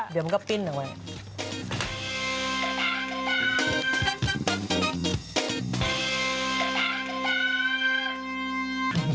เดี๋ยวมันก็ปิ้นออกไป